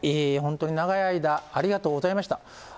本当に長い間、ありがとうございました。